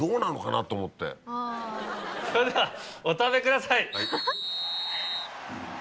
それではお食べください。